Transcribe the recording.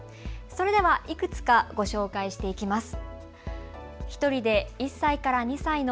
それではいくつかご紹介していきます。